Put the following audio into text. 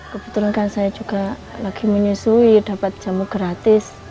kebetulan kan saya juga lagi menyusui dapat jamu gratis